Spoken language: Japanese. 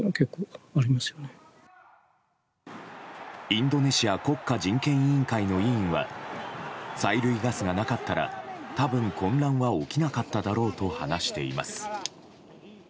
インドネシア国家人権委員会の委員は催涙ガスがなかったら、多分混乱は起きなかっただろうと話しています。